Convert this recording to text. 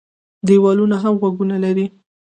ـ دېوالونو هم غوږونه لري.